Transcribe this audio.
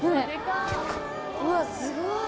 うわっすごい。